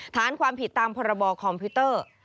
ฐานความผิดตามพรบคอมพิวเตอร์